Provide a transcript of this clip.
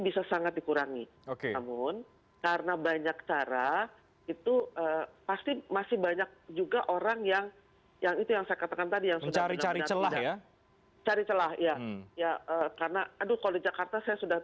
baik saya pulang gitu itu cari celah